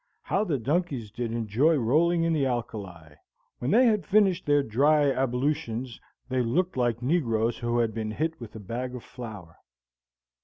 How the donkeys did enjoy rolling in the alkali! When they had finished their dry ablutions they looked like negroes who had been hit with a bag of flour.